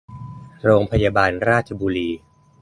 โรงพยาบาลราชบุรี